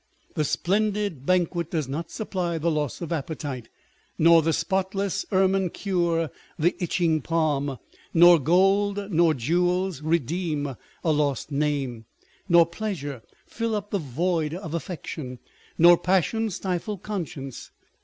The splendid banquet does not supply the loss of appetite, nor the spotless ermine cure the itching palm, nor gold nor jewels redeem a lost name, nor pleasure fill up the void of affection, nor passion stifle conscience.